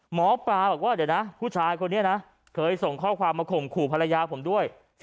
หมอปลาบอกว่าเดี๋ยวนะผู้ชายคนนี้นะเคยส่งข้อความมาข่มขู่ภรรยาผมด้วย